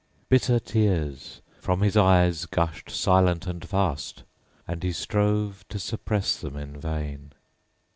Bitter tears, from his eyes, gushed silent and fast; And he strove to suppress them in vain.